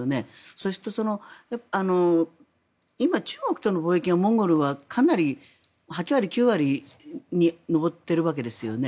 そして、今中国との貿易はモンゴルはかなり８割、９割に上っているわけですよね。